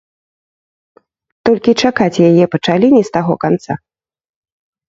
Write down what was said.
Толькі чакаць яе пачалі не з таго канца.